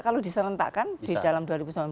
kalau diserentakkan di dalam dua ribu sembilan belas